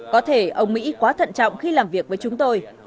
có thể ông mỹ quá thận trọng khi làm việc với chúng tôi